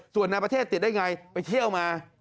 ส่วนในประเทศติดได้ไงไปเที่ยวมา